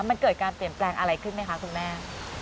มันเกิดการเปลี่ยนแปลงอะไรขึ้นไหมคะคุณแม่